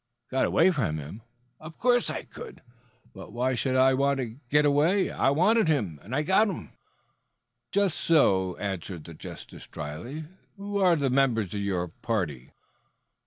"Got away from him? Of course I could. But why should I want to get away? I wanted him, and I got him." "Just so," answered the justice dryly. "Who are the members of your party?"